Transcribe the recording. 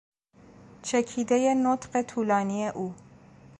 چکیدهی نطق طولانی او